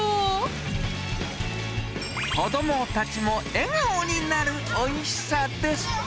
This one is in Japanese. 子どもたちも笑顔になるおいしさです。